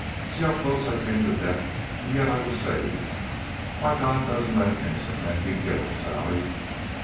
"See how close I came to death, and yet I was saved. Why, God doesn't let innocent men be killed, Sally."